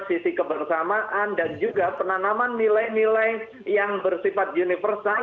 sisi kebersamaan dan juga penanaman nilai nilai yang bersifat universal